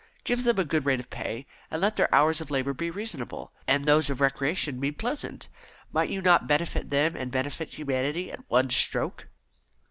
Give them a good rate of pay, and let their hours of labour be reasonable, and those of recreation be pleasant. Might you not benefit them and benefit humanity at one stroke?"